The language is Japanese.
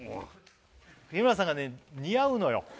日村さんが似合うのよ